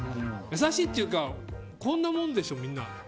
優しいというかこんなもんでしょ。